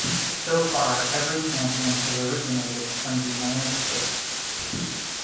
So far every Champion has originated from the United States.